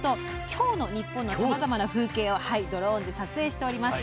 「今日のニッポン」のさまざまな風景をドローンで撮影しております。